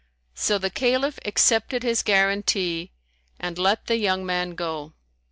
So the Caliph accepted his guarantee and let the young man go.